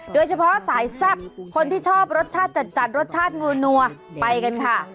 โดยเฉพาะสายแซ่บคนที่ชอบรสชาติจัดรสชาตินัวไปกันค่ะ